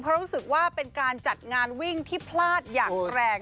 เพราะรู้สึกว่าเป็นการจัดงานวิ่งที่พลาดอย่างแรง